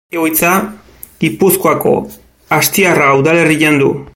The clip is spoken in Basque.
Egoitza Gipuzkoako Astigarraga udalerrian du.